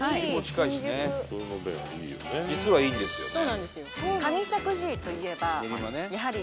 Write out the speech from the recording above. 実はいいんですよね。